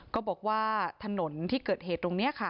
ก็บอกว่าถนนที่เกิดเหตุตรงนี้ค่ะ